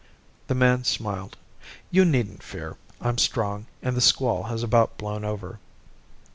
The man smiled. "You needn't fear. I'm strong, and the squall has about blown over."